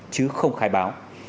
chứ không khai báo